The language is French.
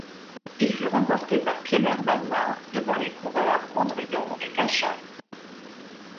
Il fut remporté par Kléber Balmat devant les coureurs Mandrillon et Cachat.